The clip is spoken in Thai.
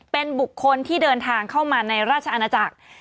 เป็นบุคคลที่เดินทางเข้ามาในราชอาณาจักร